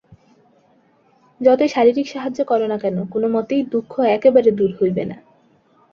যতই শারীরিক সাহায্য কর না কেন, কোনমতেই দুঃখ একেবারে দূর হইবে না।